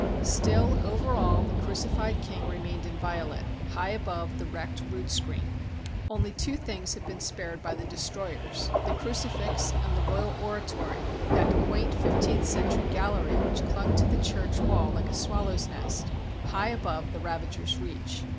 Still, over all, the crucified King remained inviolate, high above the wrecked rood screen. Only two things had been spared by the destroyers — the crucifix and the royal oratory, that quaint fifteenth century gallery which clung to the church wall like a swallow's nest, high above the ravagers' reach.